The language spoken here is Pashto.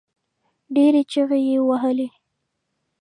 ډېرې چيغې يې وهلې.